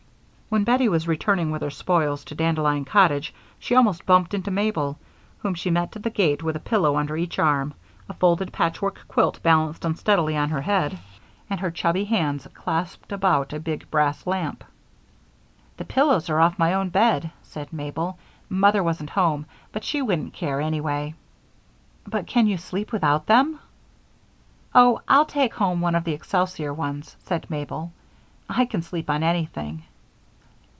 When Bettie was returning with her spoils to Dandelion Cottage she almost bumped into Mabel, whom she met at the gate with a pillow under each arm, a folded patchwork quilt balanced unsteadily on her head, and her chubby hands clasped about a big brass lamp. "The pillows are off my own bed," said Mabel. "Mother wasn't home, but she wouldn't care, anyway." "But can you sleep without them?" "Oh, I'll take home one of the excelsior ones," said Mabel. "I can sleep on anything."